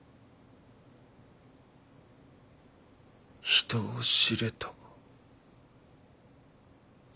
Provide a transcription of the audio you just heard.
人を知れと。